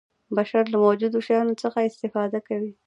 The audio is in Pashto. بشر له موجودو شیانو څخه استفاده کوي.